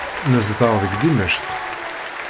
Nezdeɣ deg Dimecq.